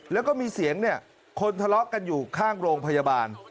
แล้วก็มีเสียงเนี่ยคนทะเลาะกันอยู่ข้างโรงพยาบาล